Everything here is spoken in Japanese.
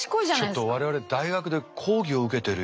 ちょっと我々大学で講義を受けてるような。